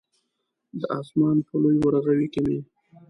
د اسمان په لوی ورغوي کې مې